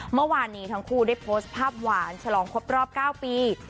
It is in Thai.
เมื่อวานนี้ทั้งคู่ได้โพสต์ภาพหวานฉลองครบรอบ๙ปี